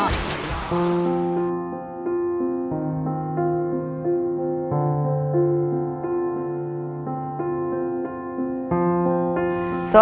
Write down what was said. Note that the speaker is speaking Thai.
ร้องได้ให้ร้อง